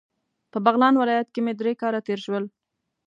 په بغلان ولایت کې مې درې کاله تیر شول.